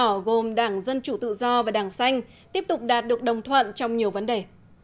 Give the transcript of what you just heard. đảng gồm đảng dân chủ tự do và đảng xanh tiếp tục đạt được đồng thuận trong nhiều vấn đề